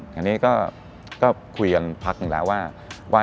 ทีนี้ก็คุยกันพักหนึ่งแล้วว่า